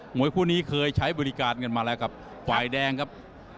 วยคู่นี้เคยใช้บริการกันมาแล้วครับฝ่ายแดงครับ